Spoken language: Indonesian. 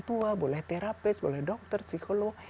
tua boleh terapis boleh dokter psikolog